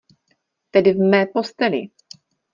Tedy v mé posteli!